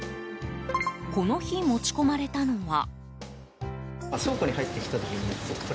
この日、持ち込まれたのは。